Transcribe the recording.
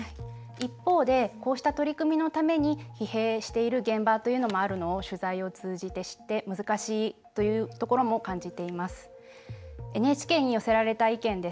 一方でこうした取り組みのために疲弊している現場というのもあるということが取材で分かってきて難しいというところも感じています。